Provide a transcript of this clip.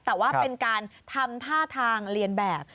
แต่ว่าเป็นการทำท่าทางเรียนแบบ